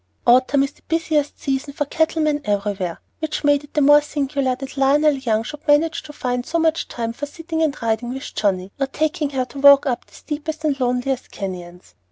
Autumn is the busiest season for cattlemen everywhere, which made it the more singular that Lionel Young should manage to find so much time for sitting and riding with Johnnie, or taking her to walk up the steepest and loneliest canyons.